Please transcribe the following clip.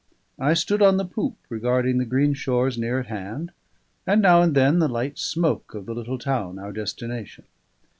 I stood on the poop, regarding the green shores near at hand, and now and then the light smoke of the little town, our destination.